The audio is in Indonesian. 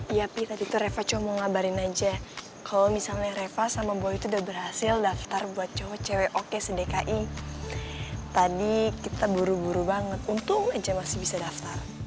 iya pi tadi tuh reva coba ngabarin aja kalau misalnya reva sama boy itu udah berhasil daftar buat cowok cewek oke se dki tadi kita buru buru banget untung aja masih bisa daftar